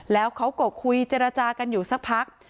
แล้วเขาก็คุยเจรจากันอยู่สักพัก